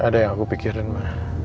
ada yang aku pikirin mah